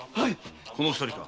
この二人か？